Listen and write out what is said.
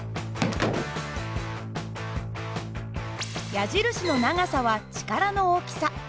矢印の長さは力の大きさ。